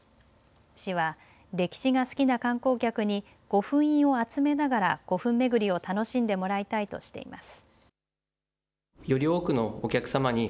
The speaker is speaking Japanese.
市は歴史が好きな観光客に御墳印を集めながら古墳巡りを楽しんでもらいたいとしています。